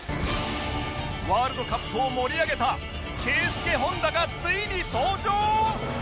ワールドカップを盛り上げたケイスケホンダがついに登場！？